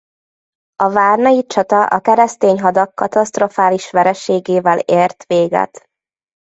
A várnai csata a keresztény hadak katasztrofális vereségével ért véget.